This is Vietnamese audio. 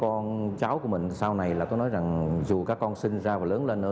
tôi cũng nói với cái con cháu của mình sau này là tôi nói rằng dù các con sinh ra và lớn lên ở nước ngoài